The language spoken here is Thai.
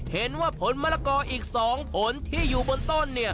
เห็นว่าผลมะละกออีก๒ผลที่อยู่บนต้น